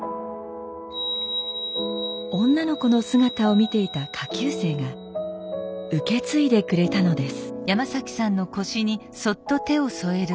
女の子の姿を見ていた下級生が受け継いでくれたのです。